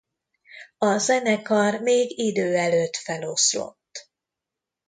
A zenekar még idő előtt feloszlott.